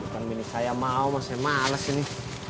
bukan mini saya mau maksudnya males ini